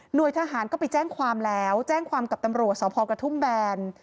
โดยทหารก็ไปแจ้งความแล้วแจ้งความกับตำรวจสพกระทุ่มแบน